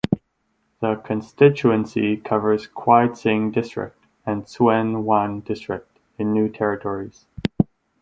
The constituency covers Kwai Tsing District and Tsuen Wan District in New Territories.